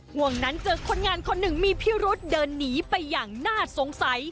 ห่วงนั้นเจอคนงานคนหนึ่งมีพิรุษเดินหนีไปอย่างน่าสงสัย